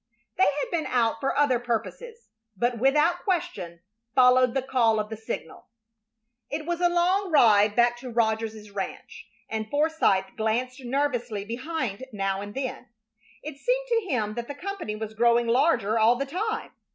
They had been out for other purposes, but without question followed the call of the signal. It was a long ride back to Rogers's ranch, and Forsythe glanced nervously behind now and then. It seemed to him that the company was growing larger all the time.